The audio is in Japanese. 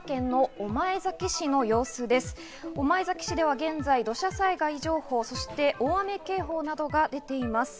御前崎市では現在、土砂災害情報、そして大雨警報などが出ています。